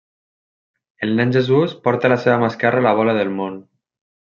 El Nen Jesús porta a la seva mà esquerra la bola del món.